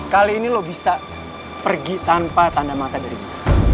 kali ini lo bisa pergi tanpa tanda mata dari gue